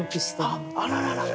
あっあららら。